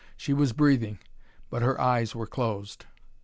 She was breathing, but her eyes were closed.